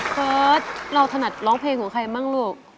เฟิร์สเราถนัดร้องเพลงของใครบ้างลูก